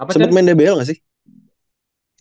sebut main dbl nggak sih